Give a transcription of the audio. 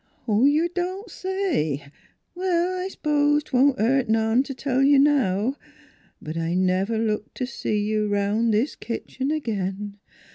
" You don't say ! Well, I s'pose 'twon't hurt none t' tell you now; but I never looked t' see you 'round this 'ere kitchen agin.